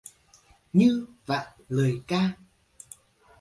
Như vạn lời ca